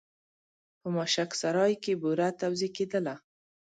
په ماشک سرای کې بوره توزېع کېدله.